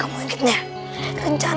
aduh lu itu tak mau jalan